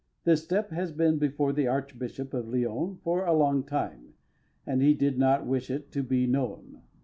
This step has been before the Archbishop of Lyons for a long time, and he did not wish it to be known.